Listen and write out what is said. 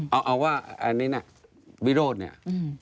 เอาว่าอันนี้น่ะวิโรธเนี่ย